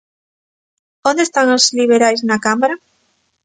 ¿Onde están os liberais na cámara?